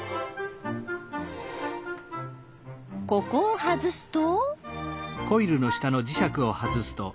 ここを外すと。